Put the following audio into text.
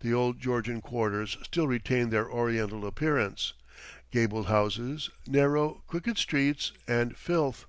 The old Georgian quarters still retain their Oriental appearance gabled houses, narrow, crooked streets, and filth.